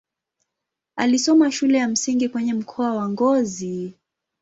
Alisoma shule ya msingi kwenye mkoa wa Ngozi.